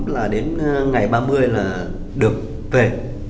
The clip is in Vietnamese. là đến ngày ba mươi là được về